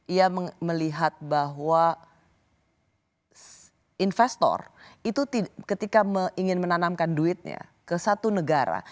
ia melihat bahwa investor itu ketika ingin menanamkan duitnya ke satu negara